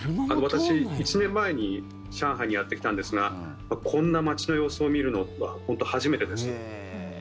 私、１年前に上海にやってきたんですがこんな街の様子を見るのは本当、初めてです。